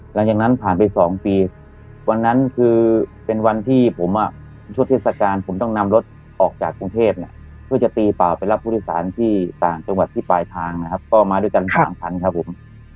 หลังจากนั้นผ่านไป๒ปีวันนั้นคือเป็นวันที่ผมชุดเทศกาลผมต้องนำรถออกจากกรุงเทพเนี่ยเพื่อจะตีเปล่าไปรับผู้โดยสารที่ต่างจังหวัดที่ปลายทางนะครับก็มาด้วยกัน๓คันครับผม